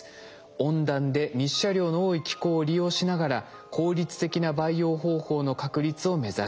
温暖で日射量の多い気候を利用しながら効率的な培養方法の確立を目指しています。